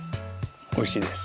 おいしいです。